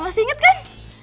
masih inget kan